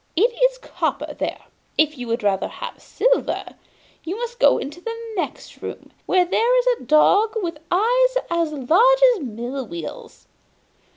It is copper there. If you would rather have silver, you must go into the next room, where there is a dog with eyes as large as mill wheels.